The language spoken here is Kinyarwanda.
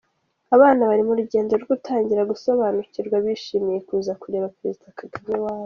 Abana bari mu rugendo rwo gutangira gusobanukirwa bishimiye kuza kureba Perezida Kagame iwabo.